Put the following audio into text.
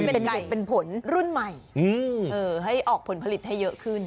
เป็นไก่เป็นผลรุ่นใหม่ให้ออกผลผลิตให้เยอะขึ้น